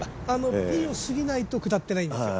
ピンを過ぎないと下っていないんですよ。